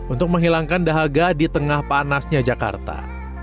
untuk menghilangkan dahaga di tengah panasnya jakarta